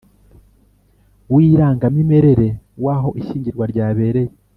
w irangamimerere w aho ishyingirwa ryabereye